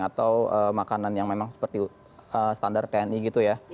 atau makanan yang memang seperti standar tni gitu ya